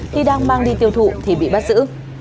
khi đang mang đi tiêu thụ thì bị bắt giữ